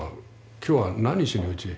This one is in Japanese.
今日は何しにうちへ？